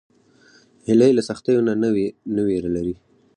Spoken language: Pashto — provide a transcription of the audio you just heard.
هیلۍ له سختیو نه نه ویره لري